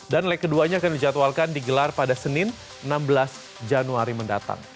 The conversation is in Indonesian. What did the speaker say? dan leg keduanya akan dijadwalkan digelar pada senin enam belas januari mendatang